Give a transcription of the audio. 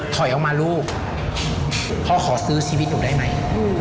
ถอยออกมาลูกพ่อขอซื้อชีวิตหนูได้ไหม